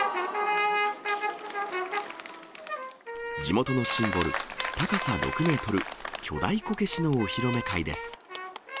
地元のシンボル、高さ６メートル、巨大こけしのお披露目会です。